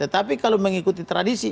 tapi kalau mengikuti tradisi